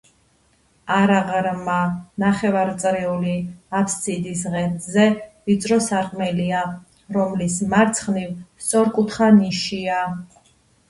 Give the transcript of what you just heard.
არაღრმა, ნახევარწრიული აფსიდის ღერძზე ვიწრო სარკმელია, რომლის მარცხნივ სწორკუთხა ნიშია.